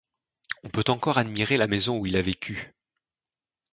On peut encore admirer la maison où il a vécu.